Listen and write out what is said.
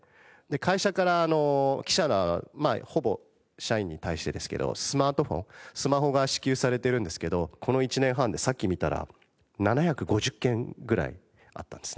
会社から記者らほぼ社員に対してですけどスマートフォンスマホが支給されてるんですけどこの１年半でさっき見たら７５０件ぐらいあったんですね。